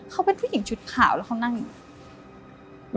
เขาเป็นผู้หญิงชุดขาวแล้วเขานั่งอยู่